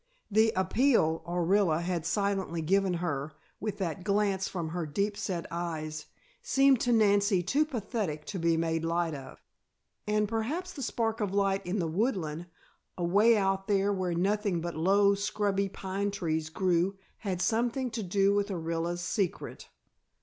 The appeal Orilla had silently given her, with that glance from her deep set eyes, seemed to Nancy too pathetic to be made light of. And perhaps the spark of light in the woodland, away out there where nothing but low, scrubby pine trees grew, had something to do with Orilla's secret.